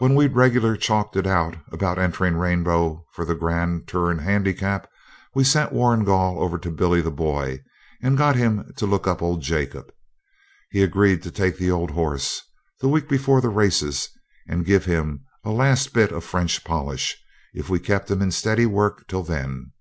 When we'd regular chalked it out about entering Rainbow for the Grand Turon Handicap, we sent Warrigal over to Billy the Boy, and got him to look up old Jacob. He agreed to take the old horse, the week before the races, and give him a last bit of French polish if we'd keep him in steady work till then.